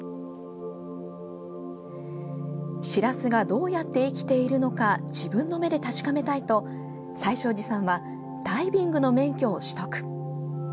しらすがどうやって生きているのか自分の目で確かめたいと最勝寺さんはダイビングの免許を取得。